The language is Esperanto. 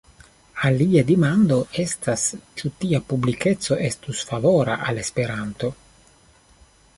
Alia demando estas, ĉu tia publikeco estus favora al Esperanto.